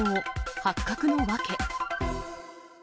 発覚の訳。